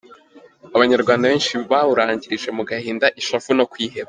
Abanyarwanda benshi bawurangirije mu gahinda, ishavu no kwiheba.